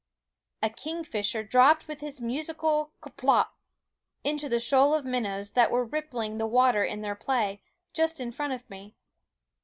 A kingfisher dropped with his musical k 'plop! into the shoal of minnows that were rippling the water in their play, just in front of me.